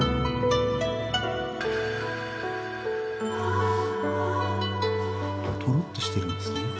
とろっとしてるんですね。